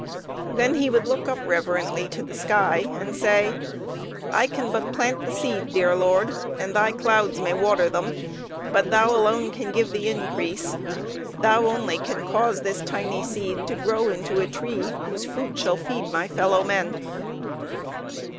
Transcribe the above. Then he would look up reverently to the sky and say, "I can but plant the seed, dear Lord, and Thy clouds may water them, but Thou alone can give the increase. Thou only can cause this tiny seed to grow into a tree whose fruit shall feed my fellow men."